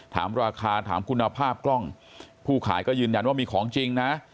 ถามราคาถามคุณภาพกล้องผู้ขายก็ยืนยันว่ามีของจริงนะ